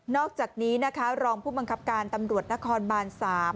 อกจากนี้นะคะรองผู้บังคับการตำรวจนครบาน๓